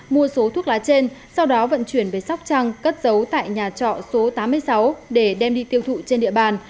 mua số thuốc lá trên sau đó vận chuyển về sóc trăng cất giấu tại nhà trọ số tám mươi sáu để đem đi tiêu thụ trên địa bàn